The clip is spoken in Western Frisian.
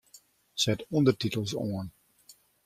Set ûndertitels oan.